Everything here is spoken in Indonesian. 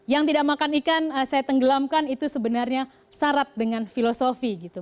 yang tidak makan ikan saya tenggelamkan itu sebenarnya syarat dengan filosofi gitu